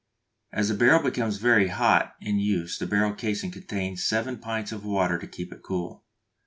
As the barrel becomes very hot in use the barrel casing contains seven pints of water to keep it cool.